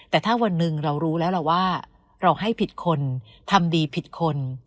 แต่ถ้าวันหนึ่งเรารู้แล้วล่ะว่าเราให้ผิดคนทำดีผิดคน